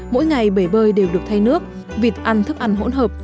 mỗi ngày bể bơi đều được thay nước vịt ăn thức ăn hỗn hợp